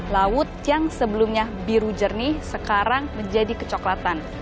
laut yang sebelumnya biru jernih sekarang menjadi kecoklatan